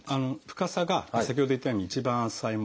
深さが先ほど言ったように一番浅いもの